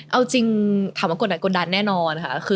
เอาจริงถามว่ากดดันกดดันแน่นอนค่ะ